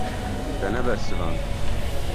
Te nebersivand.